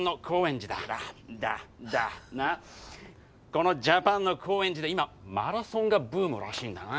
このジャパンの高円寺で今マラソンがブームらしいんだな。